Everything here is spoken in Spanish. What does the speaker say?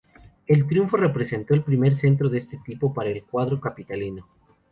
El triunfo representó el primer cetro de este tipo para el cuadro capitalino.